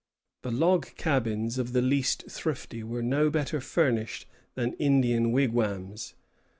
The log cabins of the least thrifty were no better furnished than Indian wigwams.